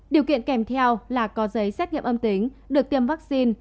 điều kiện kèm theo là có giấy xét nghiệm âm tính được tiêm vaccine